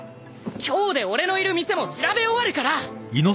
今日で俺のいる店も調べ終わるから！